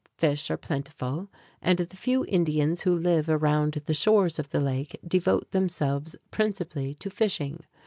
Fish are plentiful, and the few Indians who live around the shores of the lake devote themselves principally to fishing.